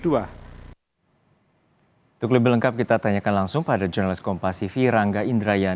untuk lebih lengkap kita tanyakan langsung pada jurnalis kompasifi rangga indrayan